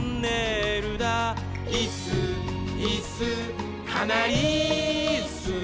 「いっすーいっすーかなりいっすー」